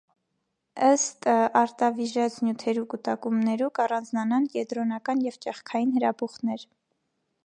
Ըստ արտավիժած նիւթերու կուտակումներու, կ՛առանձնանան կեդրոնական եւ ճեղքային հրաբուխներ։